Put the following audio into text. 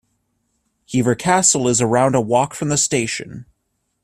Hever Castle is around a walk from the station.